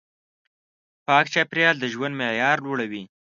پاک چاپېریال د ژوند معیار لوړوي.